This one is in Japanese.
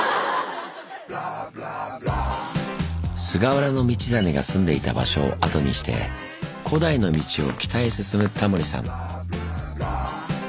菅原道真が住んでいた場所を後にして古代の道を北へ進むタモリさん。